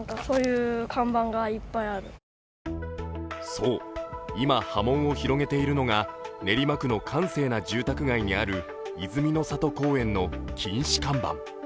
そう、今波紋を広げているのが練馬区の閑静な住宅街にあるいずみの里公園の禁止看板。